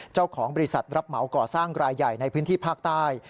เจ้าของบริษัทรับเหมาก่อสร้างรายใหญ่ในพื้นที่ภาคใต้